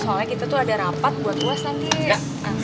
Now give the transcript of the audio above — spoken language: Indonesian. soalnya kita tuh ada rapat buat uas nanti